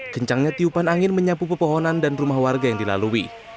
kencangnya tiupan angin menyapu pepohonan dan rumah warga yang dilalui